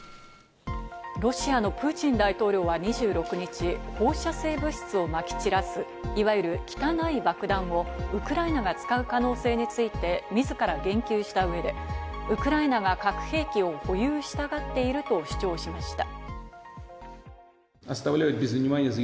ロシアのプーチン大統領は２６日、放射性物質をまき散らす、いわゆる「汚い爆弾」をウクライナが使う可能性について、みずから言及した上で、ウクライナが核兵器を保有したがっていると主張しました。